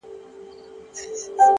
صبر د بریا پخېدل ګړندي کوي.!